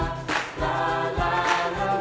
ララララ